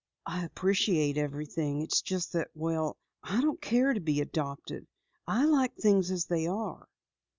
"I appreciate everything. It's just that well, I don't care to be adopted. I like things as they are."